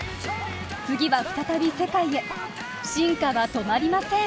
次は再び世界へ、進化は止まりません。